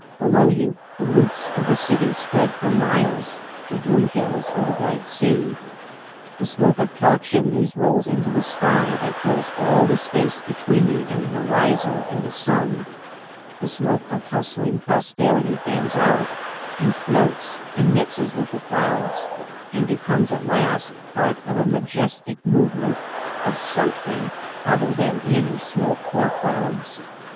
Below you the roofs of the city spread for miles to blue hills or the bright sea. The smoke of tall chimneys rolls into the sky that fills all the space between you and the horizon and the sun; the smoke of hustling prosperity fans out, and floats, and mixes with the clouds, and becomes at last part of a majestic movement of something other thai; either smoke or clouds.